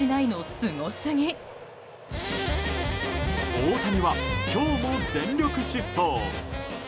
大谷は今日も全力疾走！